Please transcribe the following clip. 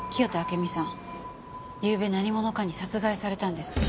ゆうべ何者かに殺害されたんです。